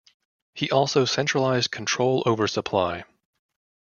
He also centralized control over supply.